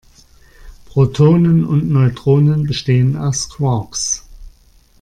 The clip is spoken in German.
Protonen und Neutronen bestehen aus Quarks.